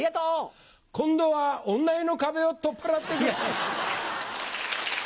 今度は女湯の壁を取っ払って。